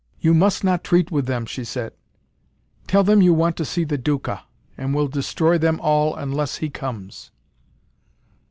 "You must not treat with them," she said. "Tell them you want to see the Duca, and will destroy them all unless he comes!"